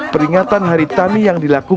peringatan hari tani yang dilakukan